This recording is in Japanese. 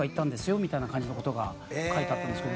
みたいな感じの事が書いてあったんですけど。